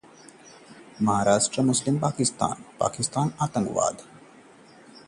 महाराष्ट्र में फिर आएगा ट्विस्ट? शरद पवार बोले- पावरलेस होता है डिप्टी सीएम